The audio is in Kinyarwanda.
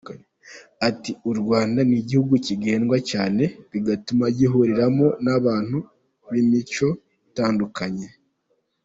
Ati: “u Rwanda ni igihugu kigendwa cyane, bigatuma gihuriramo n’abantu b’imico itandukanye.